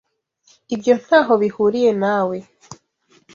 Ibyo ntaho bihuriye nawe.